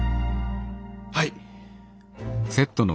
はい！